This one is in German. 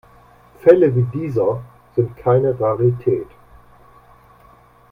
Fälle wie dieser sind keine Rarität.